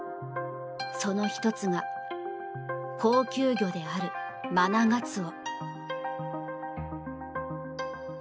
その１つが高級魚であるマナガツオ。